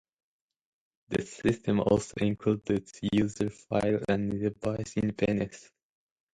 The system also included User file and Device independence.